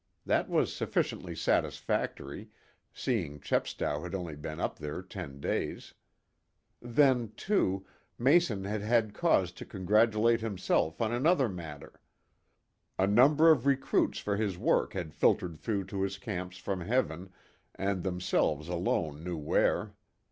That was sufficiently satisfactory, seeing Chepstow had only been up there ten days. Then, too, Mason had had cause to congratulate himself on another matter. A number of recruits for his work had filtered through to his camps from Heaven and themselves alone knew where.